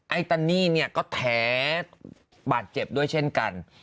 ไอตานี่เนี่ยก็แท้บาดเจ็บด้วยเช่นกัน